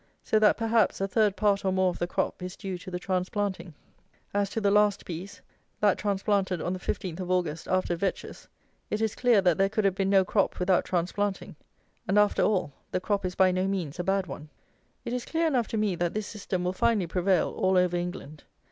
So that, perhaps, a third part or more of the crop is due to the transplanting. As to the last piece, that transplanted on the 15th of August, after vetches, it is clear that there could have been no crop without transplanting; and, after all, the crop is by no means a bad one. It is clear enough to me that this system will finally prevail all over England.